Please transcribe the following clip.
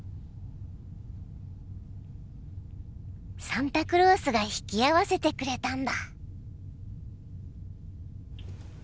サンタクロースが引き合わせてくれたんだ。